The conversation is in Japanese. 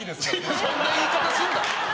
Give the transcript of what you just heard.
そんな言い方すんな！